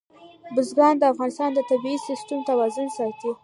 بزګان د افغانستان د طبعي سیسټم توازن ساتي.